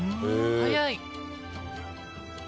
早い。